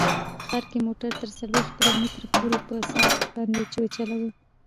ښار کې موټر تر څلوېښت کیلو متره پورې په ساعت باندې وچلوئ